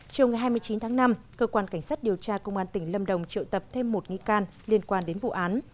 chiều ngày hai mươi chín tháng năm cơ quan cảnh sát điều tra công an tỉnh lâm đồng triệu tập thêm một nghị can liên quan đến vụ án